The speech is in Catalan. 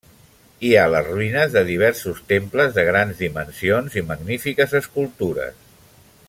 Hi ha les ruïnes de diversos temples de grans dimensions i magnifiques escultures.